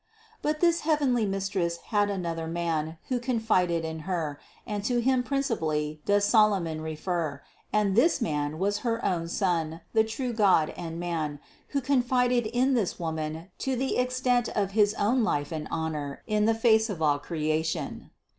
776. But this heavenly Mistress had another Man, who confided in Her, and to Him principally does Solo mon refer ; and this Man was her own Son, the true God and Man, who confided in this Woman to the extent of his own life and honor in the face of all creation.